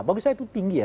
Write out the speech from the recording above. bagi saya itu tinggi ya